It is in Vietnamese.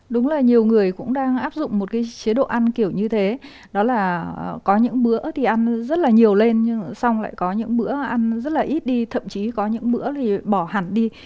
đúng là nhiều người cũng đang áp dụng một cái chế độ ăn kiểu như thế đó là có những bữa thì ăn rất là nhiều lên nhưng xong lại có những bữa ăn rất là ít đi thậm chí có những bữa thì bỏ hẳn đi